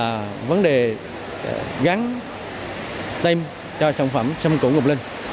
cái vấn đề gắn tên cho sản phẩm sâm củ ngọc linh